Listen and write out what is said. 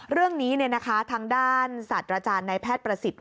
เรื่องนี้ทางด้านศาสตราจารย์ในแพทย์ประสิทธิ์